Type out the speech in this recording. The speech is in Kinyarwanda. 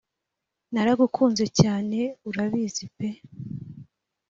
naragukunze cyane urabizi pe